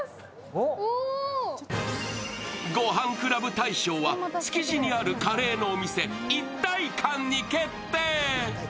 おっおごはんクラブ大賞は築地にあるカレーのお店一体感に決定！